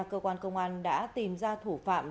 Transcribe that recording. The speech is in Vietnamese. cơ quan công an đã tìm ra thủ phạm